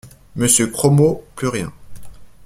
Monsieur Cromot, plus rien.